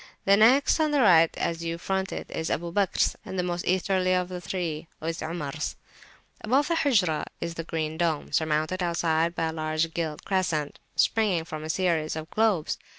The next, on the right as you front it, is Abu Bakr's, and the most Easterly of the three is Omar's. Above the Hujrah is the Green Dome, surmounted outside by a large gilt crescent springing from a series of globes.